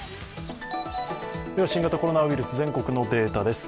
新型コロナウイルス、全国のデータです。